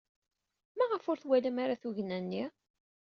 Maɣef ur twalam ara tugna-nni?